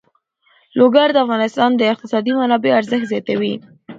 لوگر د افغانستان د اقتصادي منابعو ارزښت زیاتوي.